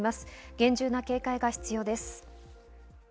厳重な警戒が必要です。